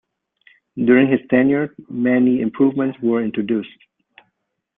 During his tenure many improvements were introduced.